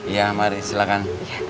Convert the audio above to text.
iya mari silahkan